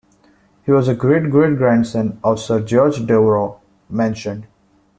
He was a great-great grandson of Sir George Devereux mentioned.